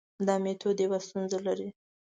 دا میتود یوه ستونزه لري.